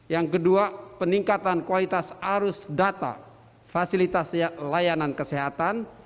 yang kedua peningkatan kualitas arus data fasilitas layanan kesehatan